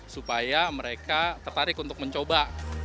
supaya mereka tertarik untuk mencoba